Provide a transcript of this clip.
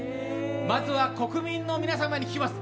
まずは国民の皆様に聞きます。